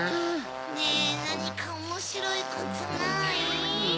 ねぇなにかおもしろいことない？